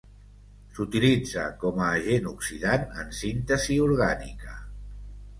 S'utilitza com a agent oxidant en síntesi orgànica.